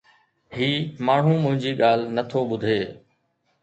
هي ماڻهو منهنجي ڳالهه نه ٿو ٻڌي